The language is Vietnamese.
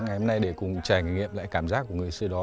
ngày hôm nay để cùng trải nghiệm lại cảm giác của người xưa đó